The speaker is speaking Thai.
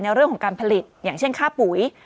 ในเรื่องของการผลิตอย่างเช่นค่าปุ๋ย